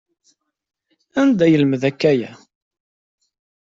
Anda ay yelmed akk aya?